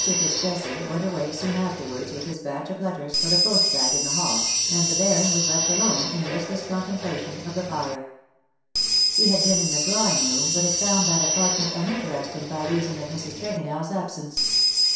FitzJesse went away soon afterwards with his batch of letters for the post bag in the hall, and the Baron was left alone, in listless contem plation of the fire. He had been in the drawing " TIME TURNS THE OLD DAYS TO DERISION." 153 roonij but had found that apartment uninteresting by reason of Mrs. Tregonell^s absence.